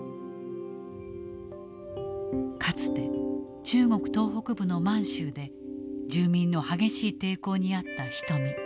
かつて中国東北部の満州で住民の激しい抵抗に遭った人見。